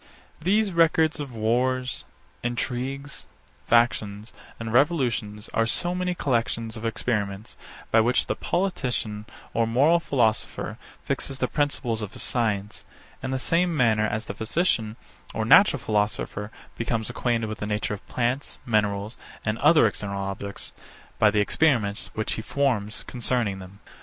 These records of wars, intrigues, factions, and revolutions, are so many collections of experiments, by which the politician or moral philosopher fixes the principles of his science, in the same manner as the physician or natural philosopher becomes acquainted with the nature of plants, minerals, and other external objects, by the experiments which he forms concerning them.